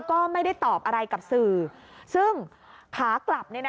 ก็ไม่ได้ตอบอะไรกับสื่อซึ่งขากลับ